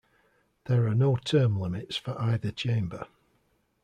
There are no term limits for either chamber.